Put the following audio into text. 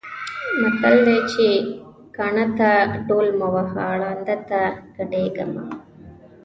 متل دی چې: کاڼۀ ته ډول مه وهه، ړانده ته ګډېږه مه.